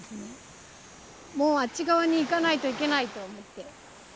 もうあっち側に行かないといけないと思って。